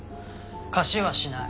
貸しはしない。